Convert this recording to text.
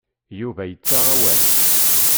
Yuba yettaɣ awal.